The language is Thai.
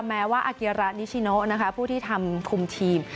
แม้ว่าอาเกียระนิชิโนนะคะผู้ที่ทำคุมทีม